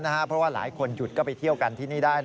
เพราะว่าหลายคนหยุดก็ไปเที่ยวกันที่นี่ได้